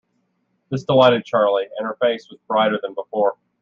This delighted Charley, and her face was brighter than before.